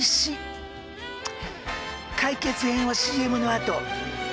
解決編はＣＭのあと。